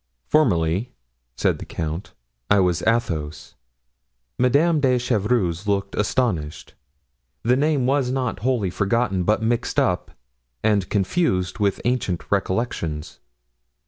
"Formerly," said the count, "I was Athos." Madame de Chevreuse looked astonished. The name was not wholly forgotten, but mixed up and confused with ancient recollections.